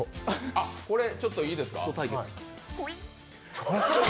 これ、ちょっといいですか。